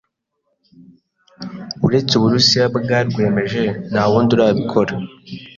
Uretse Uburusiya bwarwemeje ntawundi urabikora